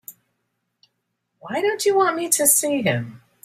Why don't you want me to see him?